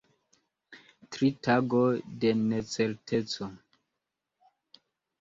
Tri tagoj de necerteco.